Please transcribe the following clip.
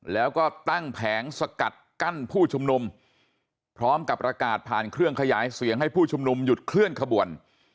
แล้วก็ตั้งแผงสกัดกั้นผู้ชุมนุมพร้อมกับประกาศผ่านเครื่องขยายเสียงให้ผู้ชุมนุมหยุดเคลื่อนขบวน